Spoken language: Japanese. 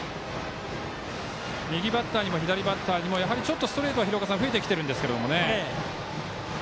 右バッターにも左バッターにもちょっとストレートは増えてきているんですけれども。